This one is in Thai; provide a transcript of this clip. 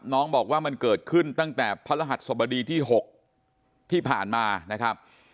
น้องบอกว่ามันเกิดขึ้นตั้งแต่พระรหัสสบดีที่๖ที่ผ่านมานะครับ